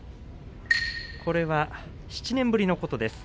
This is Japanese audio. これは７年ぶりのことです。